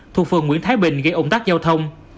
thuộc phường nguyễn thái bình gây ủng tác giao thông